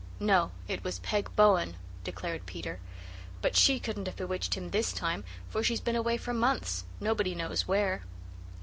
"No, it was Peg Bowen," declared Peter, "but she couldn't have bewitched him this time for she's been away for months, nobody knows where."